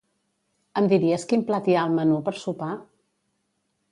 Em diries quin plat hi ha al menú per sopar?